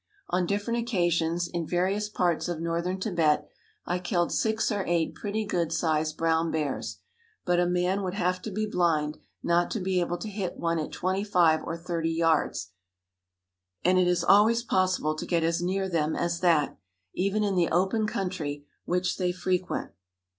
On different occasions, in various parts of northern Tibet, I killed six or eight pretty good sized brown bears; but a man would have to be blind not to be able to hit one at twenty five or thirty yards, and it is always possible to get as near them as that, even in the open country which they frequent.